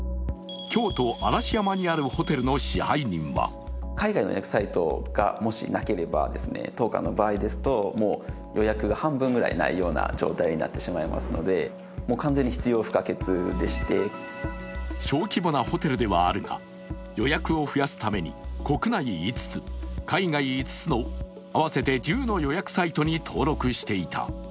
京都・嵐山にあるホテルの支配人は小規模なホテルではあるが予約を増やすため国内５つ、海外５つの合わせて１０の予約サイトに登録していた。